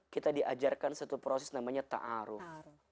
kita diajarkan satu proses namanya ta'aruf